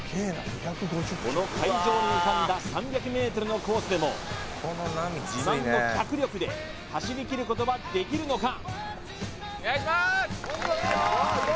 この海上に浮かんだ３００ｍのコースでも自慢の脚力で走り切ることはできるのか？